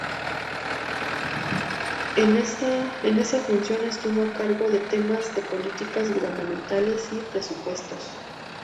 En esa función estuvo a cargo de temas de políticas gubernamentales y presupuestos.